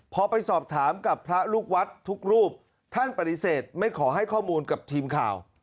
พอไปสอบถามกับพระลูกวัดทุกรูปท่านปฏิเสธไม่ขอให้ข้อมูลกับทีมข่าว